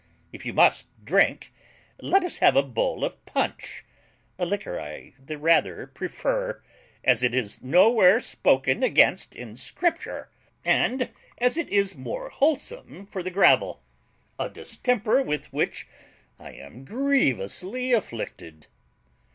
If you must drink, let us have a bowl of punch a liquor I the rather prefer, as it is nowhere spoken against in Scripture, and as it is more wholesome for the gravel, a distemper with which I am grievously afflicted.